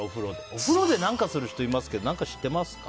お風呂で何かする人いますけど何かしてますか？